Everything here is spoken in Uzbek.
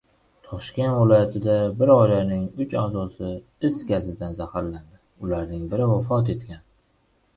Toshkent viloyatida bir oilaning uch a’zosi is gazidan zaharlandi. Ulardan biri vafot etgan